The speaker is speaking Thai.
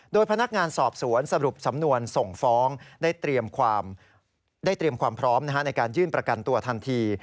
โดยพนักงานสอบสวนสรุปสำนวนส่งฟ้องได้เตรียมความพร้อมในการยื่นประกันตัวทันที